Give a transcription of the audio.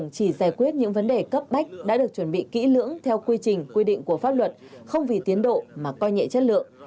chỉ giải quyết những vấn đề cấp bách đã được chuẩn bị kỹ lưỡng theo quy trình quy định của pháp luật không vì tiến độ mà coi nhẹ chất lượng